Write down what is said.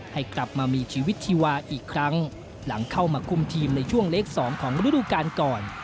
ให้กลับมามีชีวิตชีวาอีกครั้งหลังเข้ามาคุมทีมในช่วงเล็ก๒ของฤดูกาลก่อน